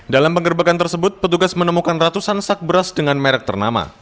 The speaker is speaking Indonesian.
dalam penggerbekan tersebut petugas menemukan ratusan sak beras dengan merek ternama